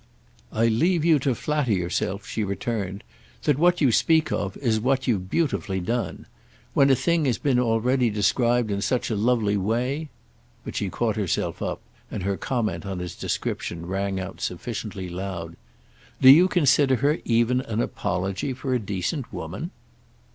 "I leave you to flatter yourself," she returned, "that what you speak of is what you've beautifully done. When a thing has been already described in such a lovely way—!" But she caught herself up, and her comment on his description rang out sufficiently loud. "Do you consider her even an apology for a decent woman?"